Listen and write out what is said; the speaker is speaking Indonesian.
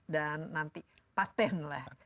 dan nanti patent lah